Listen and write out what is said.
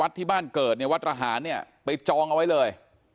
ที่บ้านเกิดเนี่ยวัดระหารเนี่ยไปจองเอาไว้เลย